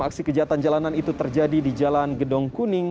aksi kejahatan jalanan itu terjadi di jalan gedong kuning